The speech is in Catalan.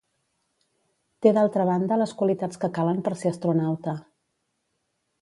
Té d'altra banda les qualitats que calen per ser astronauta.